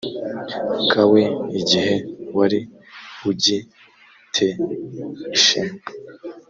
kawe igihe wari ugi te ishema